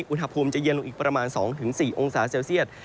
อุณหภูมิจะเย็นลงอีกประมาณ๒๔องศาเซลเซียต